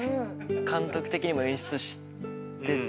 監督的にも演出してて。